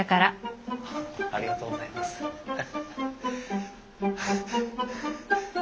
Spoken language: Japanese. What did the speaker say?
ありがとうございますハハ。